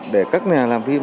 để các nhà làm phim